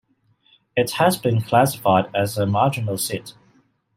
It has been classified as a marginal seat.